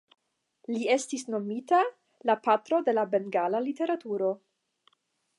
Li estis nomita la "Patro de Bengala literaturo".